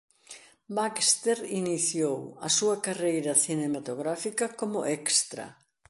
Baxter iniciou a súa carreira cinematográfica como extra.